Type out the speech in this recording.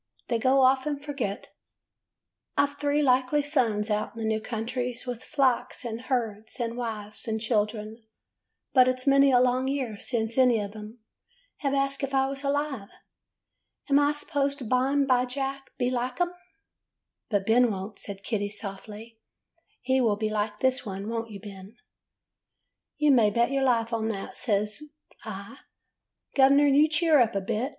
'They go off and forget. I 've three likely sons out in the new countries, with flocks, an' herds, an' wives, an' children, but it 's many a long year since any of 'em has asked if I was alive. An' I s'pose bime by Jack will be like 'em.' " 'But Ben won't,' said Kitty, softly. 'He will be like this one; won't you, Ben?' [ 55 ] 'AN EASTER LILY "'You may bet your life on that/ says I. 'Gov'ner, you cheer up a bit.